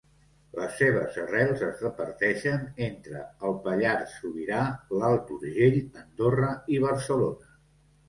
Les seves arrels es reparteixen entre el Pallars Sobirà, l'Alt Urgell, Andorra i Barcelona.